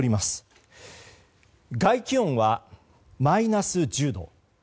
外気温はマイナス１０度。